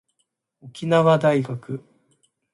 沖縄大学